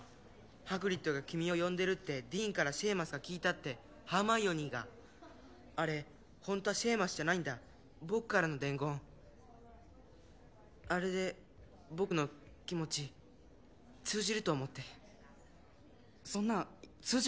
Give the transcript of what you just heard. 「ハグリッドが君を呼んでる」ってディーンからシェーマスが聞いたってハーマイオニーがあれホントはシェーマスじゃないんだ僕からの伝言あれで僕の気持ち通じると思ってそんな通じ